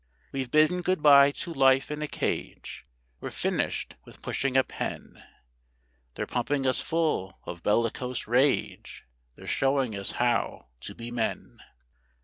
_ We've bidden good bye to life in a cage, we're finished with pushing a pen; They're pumping us full of bellicose rage, they're showing us how to be men.